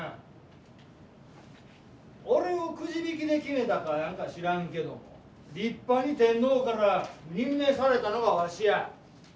俺をくじ引きで決めたか知らんけども立派に天皇から任命されたのがわしや。